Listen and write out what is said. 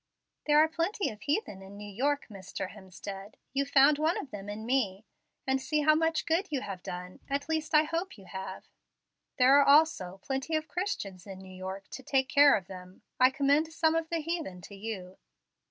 "There are plenty of heathen in New York, Mr. Hemstead. You found one of them in me, and see how much good you have done; at least, I hope you have." "There are also plenty of Christians in New York to take care of them. I commend some of the heathen to you."